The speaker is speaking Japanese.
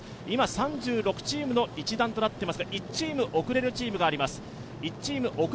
今、３６チームの一団となっていますが、１チーム遅れているチームがあります。